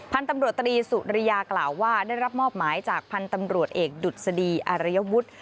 พันธุ์ตำรวจตรีสุริยากล่าวว่าได้รับมอบหมายจากพันธุ์ตำรวจเอกดุษฎีอารยวุฒิ